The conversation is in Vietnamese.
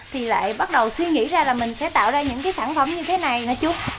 thì lại bắt đầu suy nghĩ ra là mình sẽ tạo ra những cái sản phẩm như thế này nè chú